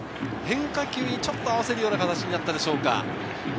変化球にちょっと合わせるような形になったでしょうか。